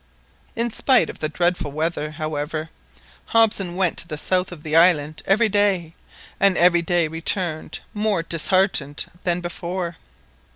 In spite of the dreadful weather, however, Hobson went to the south of the island every day, and every day returned more disheartened than before.